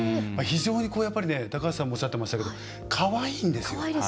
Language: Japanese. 非常に、やっぱりね、高橋さんもおっしゃってましたけどかわいいんですよ。